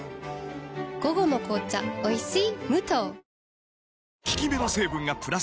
午後の紅茶おいしい